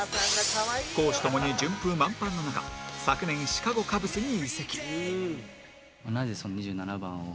公私ともに順風満帆の中昨年シカゴ・カブスに移籍